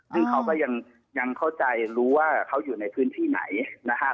ซึ่งเขาก็ยังเข้าใจรู้ว่าเขาอยู่ในพื้นที่ไหนนะฮะ